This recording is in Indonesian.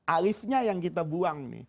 alif nya yang kita buang